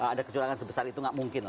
ada kecurangan sebesar itu nggak mungkin lah